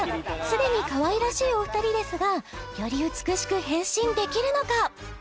すでにかわいらしいお二人ですがより美しく変身できるのか？